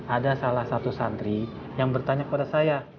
ada salah satu santri yang bertanya kepada saya